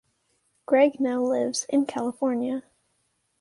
Gregg now lives in California.